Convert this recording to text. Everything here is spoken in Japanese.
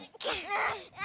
あ！